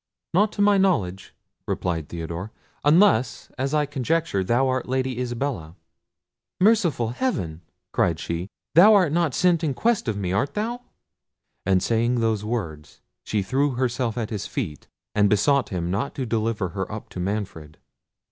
"Not to my knowledge," replied Theodore; "unless, as I conjecture, thou art the Lady Isabella." "Merciful heaven!" cried she. "Thou art not sent in quest of me, art thou?" And saying those words, she threw herself at his feet, and besought him not to deliver her up to Manfred.